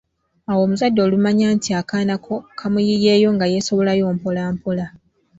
Awo omuzadde olumanya nti akaana kamuyiyeeyo nga yeesowolayo mpola mpola.